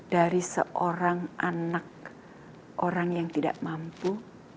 dari seorang anak orang yang tidak mampu